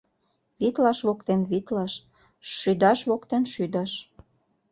Витлаш воктен витлаш, шӱдаш воктен шӱдаш...